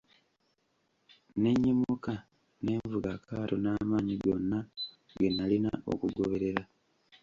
Ne nnyimuka, ne nvuga akaato n'amanyi gonna ge nalina okugoberera.